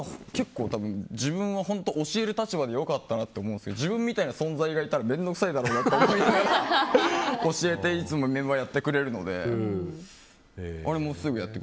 自分は本当教える立場で良かったなって思うんですけど自分みたいな存在がいたら面倒くさいだろうなと思いながら教えて、いつもメンバーがやってくれるので。